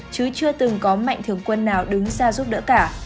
chứ chưa từng có mạnh thường quân nào đứng ra giúp đỡ cả